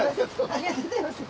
ありがとうございます。